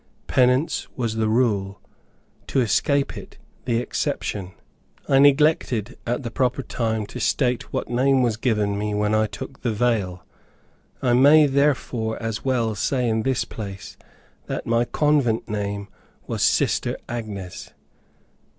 Penance was the rule, to escape it the exception. I neglected at the proper time to state what name was given me when I took the veil; I may therefore as well say in this place that my convent name was Sister Agnes.